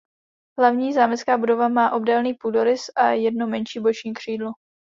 Hlavní zámecká budova má obdélný půdorys a jedno menší boční křídlo.